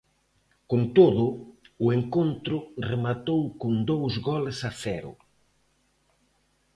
Con todo, o encontro rematou con dous goles a cero.